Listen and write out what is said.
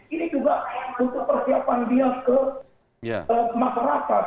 ini juga untuk persiapan dia ke masyarakat